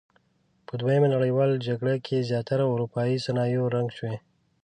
په دویمې نړیوالې جګړې کې زیاتره اورپایي صنایع رنګ شوي.